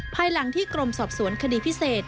ภายหลังที่กรมสอบสวนคดีพิเศษ